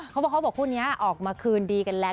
เขาบอกคู่นี้ออกมาคืนดีกันแล้ว